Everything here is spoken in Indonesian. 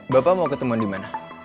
bapak mau ketemu di mana